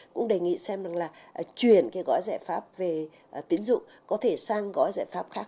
cũng đề nghị xem là chuyển cái gói giải pháp về tín dụng có thể sang gói giải pháp khác